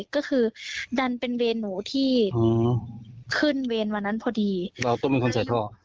ก็คือดันเป็นเวรหนูที่ขึ้นเวรวันนั้นพอดีเราต้องเป็นคนใส่ท่อ